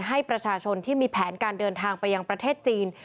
ให้ประชาชนที่มีแผนการเดินทางไปยังประเทศจีน